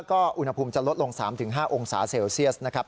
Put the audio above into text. ก็อุณหภูมิจะลดลง๓๕องศาเซลเซียสนะครับ